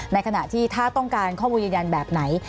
ในขณะที่ถ้าต้องการข้อมูลยืนยันแบบไหน